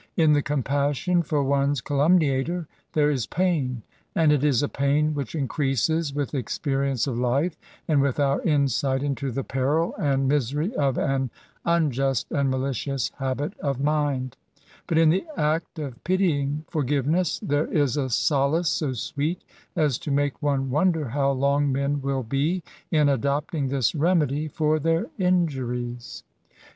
In the compassion for one's calumniator there ia pain; and it is a pain which increases with experience of life, and with our insight into the peril and misery of an unjust and malicious habit of mind ; but in the act of pitying forgiveness, there is a solace so sweet as to make one wonder how long men will be in adopting this remedy for their injuries.